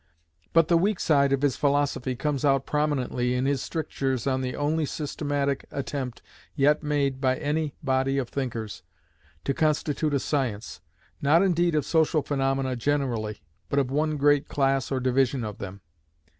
But the weak side of his philosophy comes out prominently in his strictures on the only systematic attempt yet made by any body of thinkers, to constitute a science, not indeed of social phenomena generally, but of one great class or division of them.